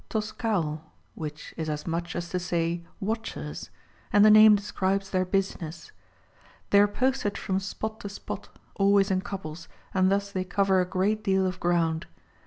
XX. HOW THE EMPEROR GOES HUNTING 4O3 Toscaol, which is as much as to say, " Watchers." And the name describes their business.^ They are posted from spot to spot, always in couples, and thus they cover a great deal of ground